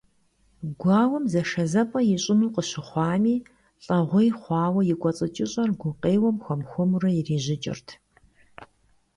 Гуауэм зэшэзэпӀэ ищӀыну къыщыхъуами, лӀэгъуей хъуауэ и кӀуэцӀыкӀыщӀэр гукъеуэм хуэм-хуэмурэ ирижьыкӀырт.